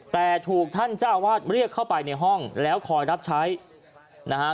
แต่ถูกท่านเจ้าอาวาสเรียกเข้าไปในห้องแล้วคอยรับใช้นะฮะ